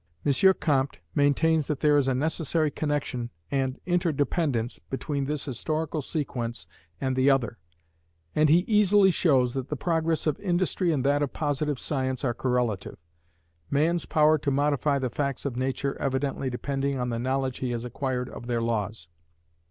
M. Comte maintains that there is a necessary connexion and interdependence between this historical sequence and the other: and he easily shows that the progress of industry and that of positive science are correlative; man's power to modify the facts of nature evidently depending on the knowledge he has acquired of their laws.